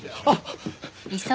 あっ。